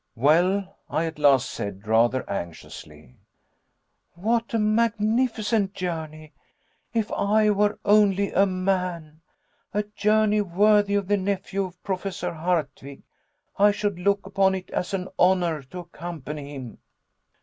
"Well?" I at last said, rather anxiously. "What a magnificent journey. If I were only a man! A journey worthy of the nephew of Professor Hardwigg. I should look upon it as an honor to accompany him."